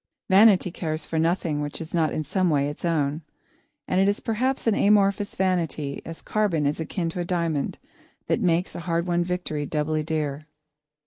Vanity cares for nothing which is not in some way its own, and it is perhaps an amorphous vanity, as carbon is akin to a diamond, that makes a hard won victory doubly dear.